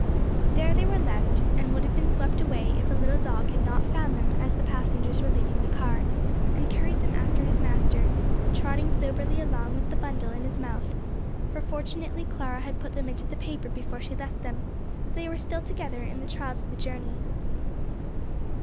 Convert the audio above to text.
There they were left, and would have been swept away if a little dog had not found them as the passengers were leaving the car and carried them after his master, trotting soberly along with the bundle in his mouth, for fortunately Clara had put them into the paper before she left them, so they were still together in the trials of the journey.